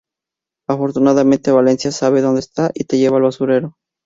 Afortunadamente, Valencia sabe donde está y te lleva al basurero.